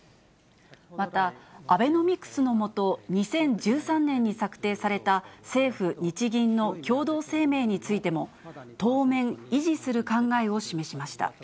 また、アベノミクスのもと、２０１３年に策定された政府・日銀の共同声明についても、当面維持する考えを示しました。